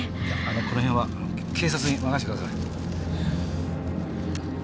この辺は警察に任せてください。